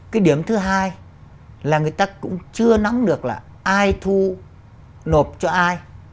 cái điểm thứ hai là người ta cũng chưa nắm được là ai thu nộp cho ai